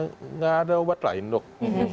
tidak ada obat lain dok